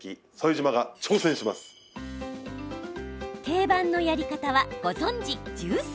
定番のやり方は、ご存じ、重曹。